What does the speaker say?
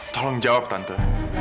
tolong jawab tante